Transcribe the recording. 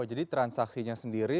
oh jadi transaksinya sendiri